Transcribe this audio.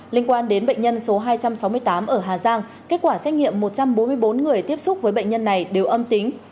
liên quan đến bệnh nhân số hai trăm sáu mươi tám ở hà giang kết quả xét nghiệm một trăm bốn mươi bốn người tiếp xúc với bệnh nhân này đều âm tính